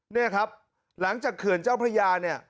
เนี่ยครับหลังจากเขื่อนเจ้าพระยาเนี่ย